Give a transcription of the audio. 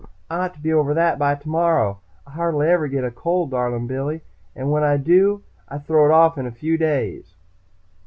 "I ought to be over that by tomorrow. I hardly ever get a cold, darlin' Billy, and when I do, I throw it off in a few days."